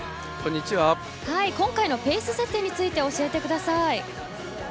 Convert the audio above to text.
今回のペース設定について教えてください。